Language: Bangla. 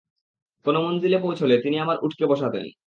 কোন মনজিলে পৌঁছলে তিনি আমার উটকে বসাতেন।